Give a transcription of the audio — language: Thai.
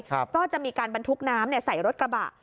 ก็จะมีการบรรทุกน้ำใส่รถกระบะ